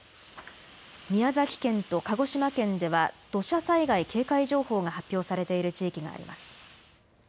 宮崎県と鹿児島県では土砂災害警戒情報が発表されている地域があります。